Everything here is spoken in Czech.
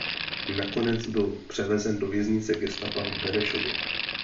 Nakonec byl převezen do věznice gestapa v Benešově.